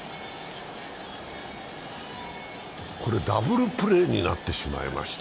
これ、ダブルプレーになってしまいました。